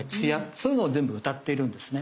そういうのを全部うたっているんですね。